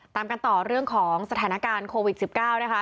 ตามกันต่อเรื่องของสถานการณ์โควิด๑๙นะคะ